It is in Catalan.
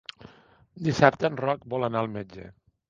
Dissabte en Roc vol anar al metge.